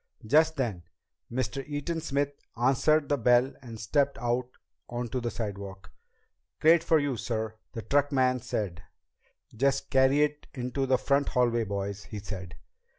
Just then Mr. Eaton Smith answered the bell and stepped out onto the sidewalk. "Crate for you, sir," the truckman said. "Just carry it into the front hallway, boys," he said.